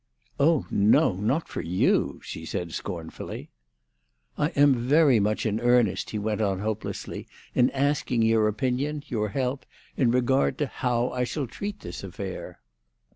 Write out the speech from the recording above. "Oh no! Not for you," she said scornfully. "I am very much in earnest," he went on hopelessly, "in asking your opinion, your help, in regard to how I shall treat this affair."